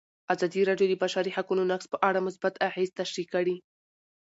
ازادي راډیو د د بشري حقونو نقض په اړه مثبت اغېزې تشریح کړي.